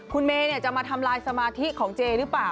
คุณเมย์จะมาทำลายสมาธิของเจหรือเปล่า